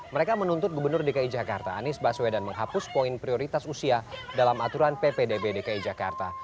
mereka menuntut gubernur dki jakarta anies baswedan menghapus poin prioritas usia dalam aturan ppdb dki jakarta